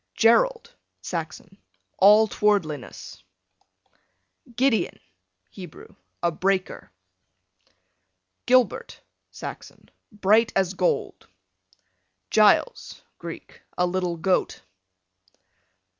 Gerald, Saxon, all towardliness. Gideon, Hebrew, a breaker. Gilbert, Saxon, bright as gold. Giles, Greek, a little goat.